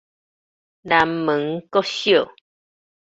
南門國小